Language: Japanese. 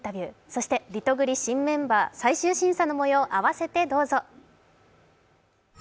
そしてリトグリ新メンバー最終審査のもよう、併せてどうぞ。